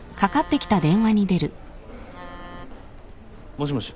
もしもし。